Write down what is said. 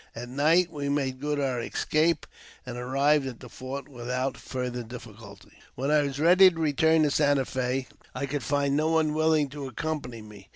At night we made good our escape, and arrived at the fort, without further difficulty. When I was ready to return to Santa Fe, I could find no one willing to accompany me.